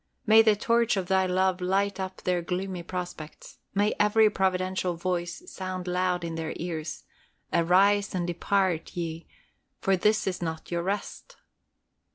May the torch of Thy love light up their gloomy prospects. May every providential voice sound loud in their ears, "Arise and depart ye, for this is not your rest!"